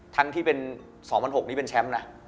ทั้งที่เป็น๒๐๐๖นี้เป็นแชมป์นะ